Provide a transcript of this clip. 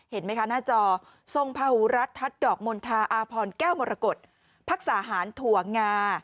เห็นไหมคะหน้าจอทรงพาหูรัฐทัศน์ดอกมณฑาอาพรแก้วมรกฏภักษาหารถั่วงา